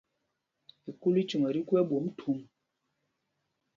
Ekúlícuŋ ɛ tí gú ɛ́ɓwôm thûm.